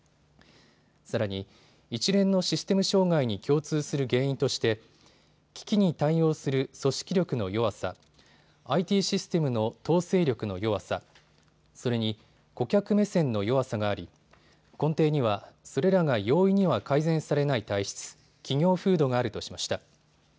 さらに一連のシステム障害に共通する原因として危機に対応する組織力の弱さ、ＩＴシステムの統制力の弱さ、それに、顧客目線の弱さがあり、根底にはそれらが容易には改善されない体質、企業風土があるとしました。